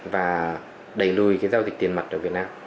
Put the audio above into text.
và đẩy lùi giao dịch tiền mặt ở việt nam